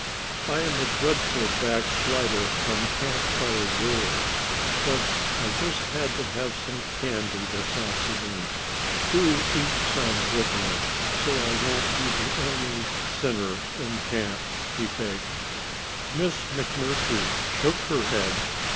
"I am a dreadful backslider from Camp Fire rules, but I just had to have some candy this afternoon. Do eat some with me, so I won't be the only sinner in camp," she begged. Miss McMurtry shook her head.